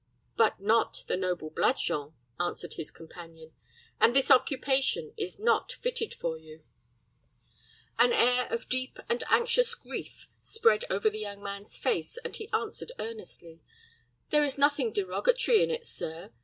"But not the noble blood, Jean," answered his companion; "and this occupation is not fitted for you." An air of deep and anxious grief spread over the young man's face, and he answered earnestly, "There is nothing derogatory in it, sir.